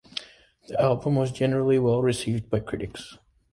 The album was generally well received by critics.